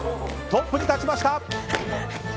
トップに立ちました。